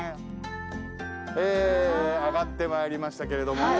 え上がってまいりましたけれども。